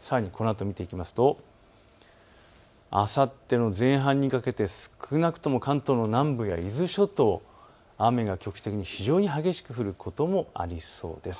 さらにこのあとを見ていくとあさっての前半にかけて少なくとも関東の南部や伊豆諸島、雨が局地的に非常に激しく降ることもありそうです。